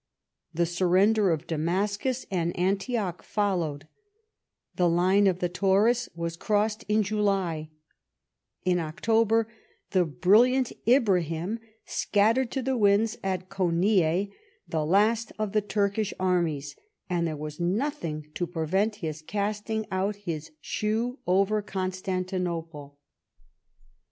The surrender of Damas cus and Antioch followed ; the line of the Taurus was crossed in July; in October the brilliant Ibrahim scattered to the winds at Konieh the last of tiie Turkish armies, and there was nothing to prevent his casting out his shoe over Constantinople.